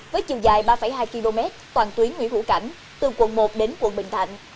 với chiều dài ba hai km toàn tuyến nguyễn hữu cảnh từ quận một đến quận bình thạnh